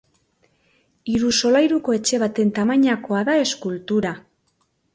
Hiru solairuko etxe baten tamainakoa da eskultura.